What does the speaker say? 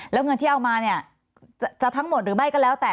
แล้วเงินที่เอามาเนี่ยจะทั้งหมดหรือไม่ก็แล้วแต่